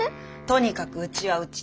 とにかくうちはうち。